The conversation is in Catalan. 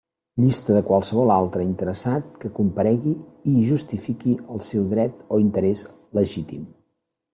Llista de qualsevol altre interessat que comparegui i justifiqui el seu dret o interès legítim.